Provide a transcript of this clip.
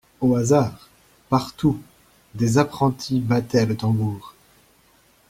Au hasard, partout, des apprentis battaient le tambour.